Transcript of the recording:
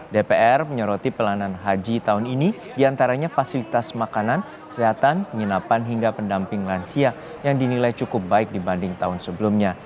dpr menyoroti pelayanan haji tahun ini diantaranya fasilitas makanan kesehatan penginapan hingga pendamping lansia yang dinilai cukup baik dibanding tahun sebelumnya